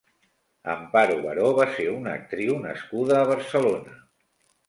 Amparo Baró va ser una actriu nascuda a Barcelona.